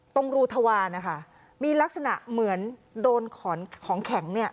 ตรงรูทวารนะคะมีลักษณะเหมือนโดนของแข็งเนี่ย